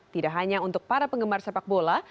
tidak hanya untuk para penggemar sepak bola